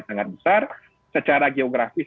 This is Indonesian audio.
sangat besar secara geografis